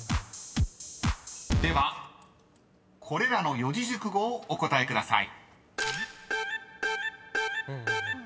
［ではこれらの四字熟語をお答えください］